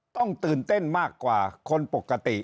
ตื่นเต้นมากกว่าคนปกติ